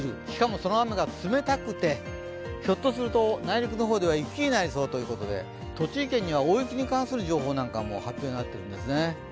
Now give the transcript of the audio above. しかもその雨が冷たくてひょっとすると内陸の方では雪になりそうということで栃木県には大雪に関する情報も発表になっているんですね。